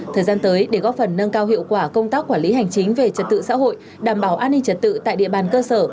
thời gian tới để góp phần nâng cao hiệu quả công tác quản lý hành chính về trật tự xã hội đảm bảo an ninh trật tự tại địa bàn cơ sở